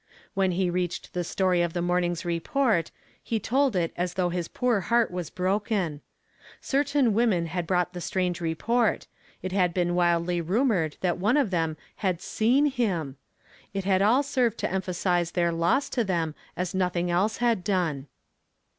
When he reached the story of the morning's report he told it as though his poor heart was broken. Certain women had brought the strange report; it had even been wildly rumored that one of them had seen him ! It had all served to emphasize their loss to them as nothing else had done.